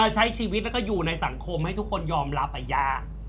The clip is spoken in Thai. ใช้ชีวิตแล้วก็อยู่ในสังคมให้ทุกคนยอมรับยาก